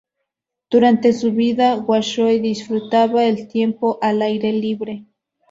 Durante su vida, Washoe disfrutaba el tiempo al aire libre.